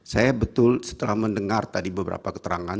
saya betul setelah mendengar tadi beberapa keterangan